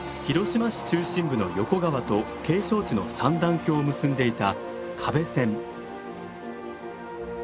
広島市中心部の横川と景勝地の三段峡を結んでいた可部線。